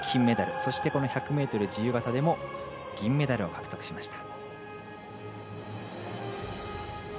そして、１００ｍ自由形でも銀メダルを獲得しました。